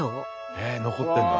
ねえ残ってんだ。